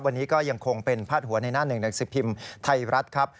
วันนี้ก็ยังคงเป็นพาดหัวในหน้า๑๑๐พิมพ์ไทยรัฐครับ